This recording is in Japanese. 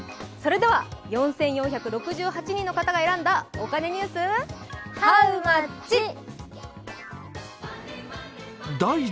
それでは４４６８人の方が選んだお金ニュース、ハウマッチ！